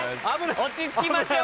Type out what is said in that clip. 落ち着きましょう。